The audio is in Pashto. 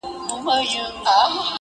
• په خوب په ویښه به دریادېږم -